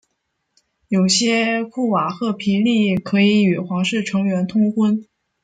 有些库瓦赫皮利可以与皇室成员通婚。